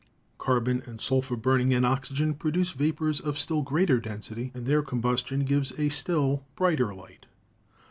Carbon and sulphur burning in oxygen produce vapors of still greater density, and their combustion gives a still brighter light.